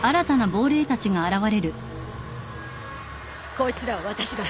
こいつらは私が。